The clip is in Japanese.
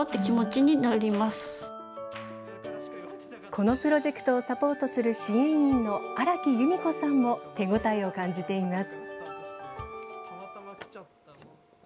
このプロジェクトをサポートする支援員の荒木裕美子さんも手応えを感じています。